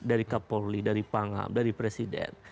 dari kapolri dari pangap dari presiden